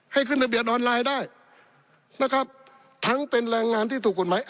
ให้ขึ้นทะเบียนออนไลน์ได้นะครับทั้งเป็นแรงงานที่ถูกกฎหมาย